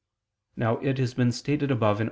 Now it has been stated above (A.